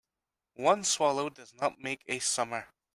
One swallow does not make a summer.